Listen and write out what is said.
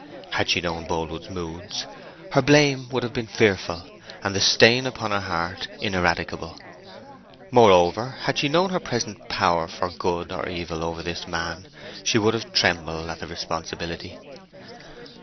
Had she known Boldwood's moods, her blame would have been fearful, and the stain upon her heart ineradicable. Moreover, had she known her present power for good or evil over this man, she would have trembled at her responsibility.